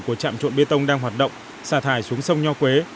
của trạm trộn bê tông đang hoạt động xả thải xuống sông nho quế